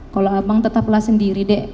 kalau abang tetaplah sendiri dek